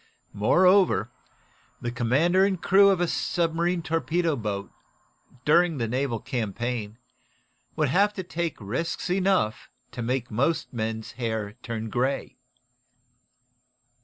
Moreover, the commander and crew of a submarine torpedo boat, during a naval campaign, would have to take risks enough to make most men's hair turn gray."